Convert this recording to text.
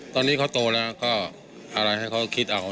ตอนนี้เขาโตแล้วก็อะไรให้เขาคิดเอา